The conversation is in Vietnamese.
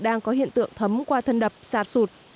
đang có hiện tượng thấm qua thân đập sạt sụt